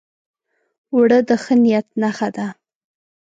اوړه د ښه نیت نښه ده